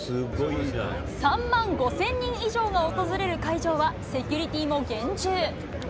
３万５０００人以上が訪れる会場は、セキュリティーも厳重。